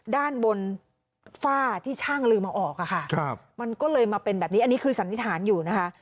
ด้านบนฝ้าที่ช่างลืมเอาออกอะค่ะมันก็เลยมาเป็นแบบนี้อันนี้คือสันนิษฐานอยู่นะคะ